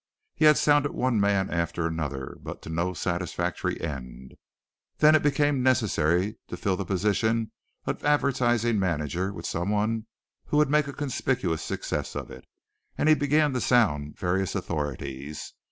He had sounded one man after another, but to no satisfactory end. Then it became necessary to fill the position of advertising manager with someone who would make a conspicuous success of it, and he began to sound various authorities.